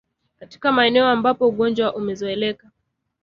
Katika maeneo ambapo ugonjwa umezoeleka